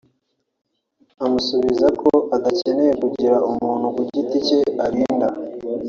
amusubiza ko adakeneye kugira umuntu ku giti cye arinda